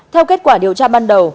theo kết quả điều tra ban đầu